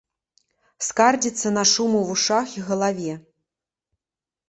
Скардзіцца на шум у вушах і галаве.